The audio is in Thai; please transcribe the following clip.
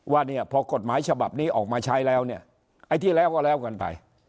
ว่าเนี่ยพอกฎหมายฉบับนี้ออกมาใช้แล้วเนี่ยไอ้ที่แล้วก็แล้วกันไป